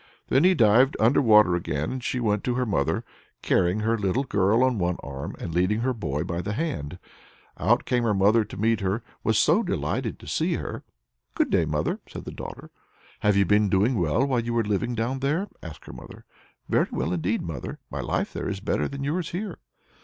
Then he dived under water again, and she went to her mother's, carrying her little girl on one arm, and leading her boy by the hand. Out came her mother to meet her was so delighted to see her! "Good day, mother!" said the daughter. "Have you been doing well while you were living down there?" asked her mother. "Very well indeed, mother. My life there is better than yours here."